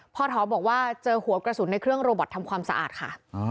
ท้อบอกว่าเจอหัวกระสุนในเครื่องโรบอตทำความสะอาดค่ะ